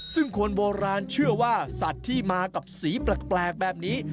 ซึ่งคนโบราณเชื่อว่าสัตว์ที่มากับสีแปลกแบบนี้